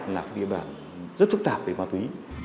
là địa bàn rất phức tạp về mặt túy